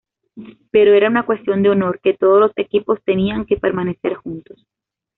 Pero era una cuestión de honor que todos los equipos tenían que permanecer juntos.